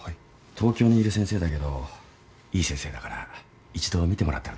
東京にいる先生だけどいい先生だから一度診てもらったらどうかな？